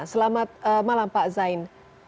selamat malam pak zain